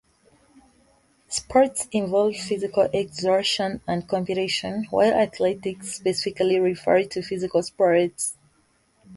Sports involve physical exertion and competition, while athletics specifically refer to physical sports.